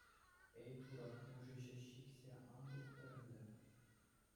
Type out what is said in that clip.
Эй, Турӑ, нуши ҫеҫ сиксе ан тухтӑр ӗнтӗ.